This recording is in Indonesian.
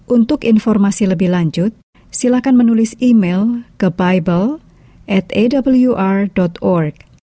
untuk informasi lebih lanjut silahkan menulis email ke bible atawr org